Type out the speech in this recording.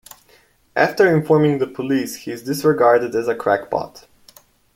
After informing the police, he is disregarded as a crackpot.